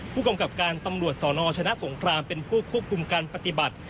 ผู้กำกับการตำรวจสนชนะสงครามเป็นผู้ควบคุมการปฏิบัติ